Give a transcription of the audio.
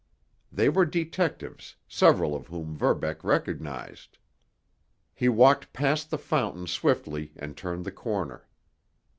They were detectives, several of whom Verbeck recognized. He walked past the fountain swiftly and turned the corner.